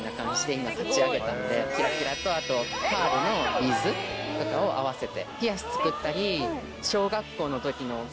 キラキラとあとパールのビーズとかを合わせて。